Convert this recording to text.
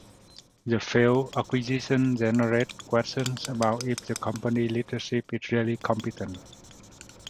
The failed acquisition generate questions about if the company leadership is really competent.